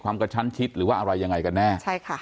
กระชั้นชิดหรือว่าอะไรยังไงกันแน่